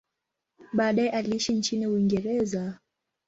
Baadaye aliishi nchini Uingereza.